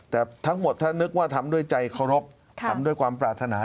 แต่ทั้งหมดถ้านึกว่าทำด้วยใจเคารพทำด้วยความปรารถนา